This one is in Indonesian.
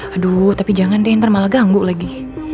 aduh tapi jangan deh nanti ntar malah ganggu lagi